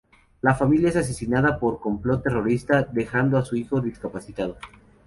La familia es asesinada por un complot terrorista, dejando a su hijo discapacitado.